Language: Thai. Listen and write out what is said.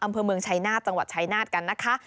อำเภอเมืองชายนาฏจังหวัดชายนาฏกันนะคะ